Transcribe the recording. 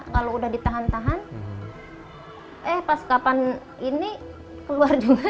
kalau udah ditahan tahan eh pas kapan ini keluar juga